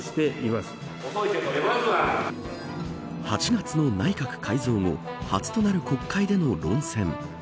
８月の内閣改造後初となる国会での論戦。